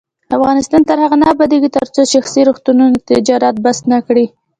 افغانستان تر هغو نه ابادیږي، ترڅو شخصي روغتونونه تجارت بس نکړي.